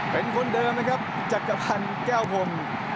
เป็นคนเดิมนะครับจักรพันธ์แก้วพรม